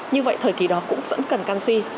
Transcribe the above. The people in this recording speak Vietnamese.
như vậy thời kỳ đó cũng dẫn cần canxi